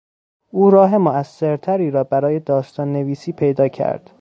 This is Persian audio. او راه موثرتری را برای داستان نویسی پیدا کرد.